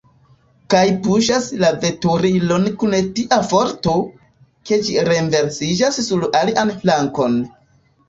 kaj puŝas la veturilon kun tia forto, ke ĝi renversiĝas sur alian flankon.